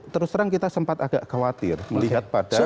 terus terang kita sempat agak khawatir melihat pada